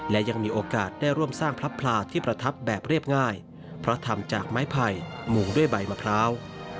และยังมีโอกาสได้ร่วมสร้างพระพลาที่ประทับแบบเรียบง่ายเพราะทำจากไม้ไผ่มุงด้วยใบมะพร้าว